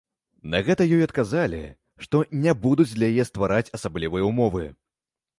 На гэта ёй адказалі, што не будуць для яе ствараць асаблівыя ўмовы.